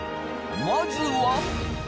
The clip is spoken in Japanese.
まずは。